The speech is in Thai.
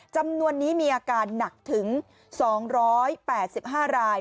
จำนวนนี้มีอาการหนักถึง๒๘๕ราย